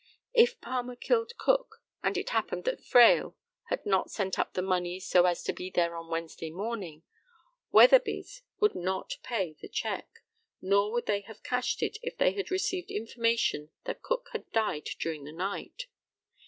If Palmer killed Cook, and it happened that Fraill had not sent up the money so as to be there by Wednesday morning, Weatherby's would not pay the cheque, nor would they have cashed it if they had received information that Cook had died during the night.